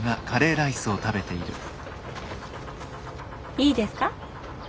いいですか？